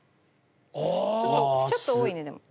ちょっと多いねでも。